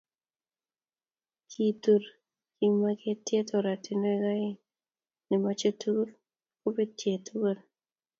Kitur kimaketiet oratinwek oengu ako nemochei tugul kobetyei tugul